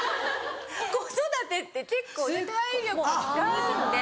子育てって結構ね体力使うんで。